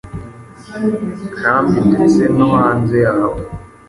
nkambi ndetse no hanze yayo.